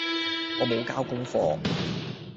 我無交功課